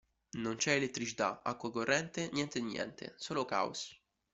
Non c'è elettricità, acqua corrente, niente di niente, solo caos.